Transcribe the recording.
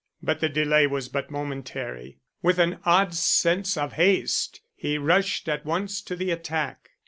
But the delay was but momentary. With an odd sense of haste he rushed at once to the attack.